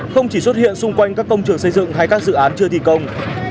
không chỉ xuất hiện xung quanh các công trường xây dựng hay các dự án chưa thi công